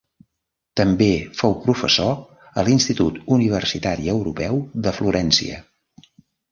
També fou professor a l'Institut Universitari Europeu de Florència.